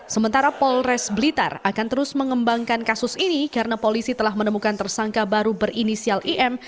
sementara polres blitar akan terus mengembangkan kasus ini karena polisi telah menemukan tersangka baru berinisial im